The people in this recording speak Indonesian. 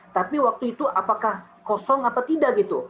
tapi waktu itu apakah kosong atau tidak gitu